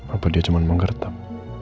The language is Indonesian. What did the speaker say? apa dia cuma menggertap